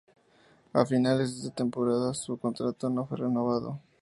A finales de esa temporada su contrato no fue renovado.